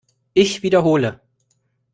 Ich wiederhole!